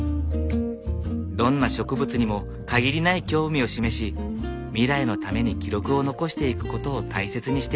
どんな植物にも限りない興味を示し未来のために記録を残していくことを大切にしていた牧野博士。